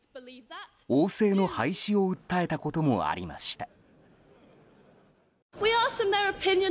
王政の廃止を訴えたこともありました。